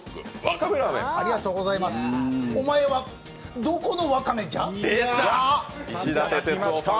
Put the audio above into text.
お前はどこのわかめじゃ？